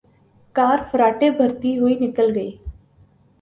کار فراٹے بھرتی ہوئے نکل گئی